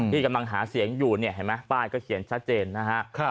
ที่กำลังหาเสียงอยู่เนี่ยป้ายก็เขียนชัดเจนนะฮะ